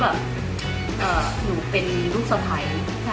หนูเป็นลูกสะไพร